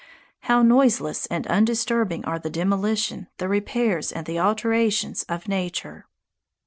How noiseless and undisturbing are the demolition, the repairs and the alterations, of nature!